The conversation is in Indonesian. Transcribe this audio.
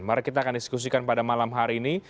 mari kita akan diskusikan pada malam hari ini